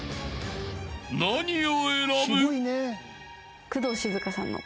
［何を選ぶ？］